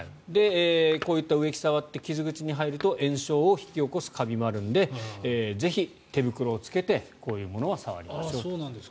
こういった植木を触って傷口に入ると炎症を引き起こすカビもあるのでぜひ、手袋を着けてこういうものは触りましょう。